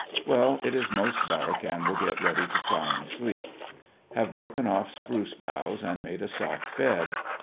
Well, it is most dark and will get ready to try and sleep. Have broken off spruce boughs and made a soft bed.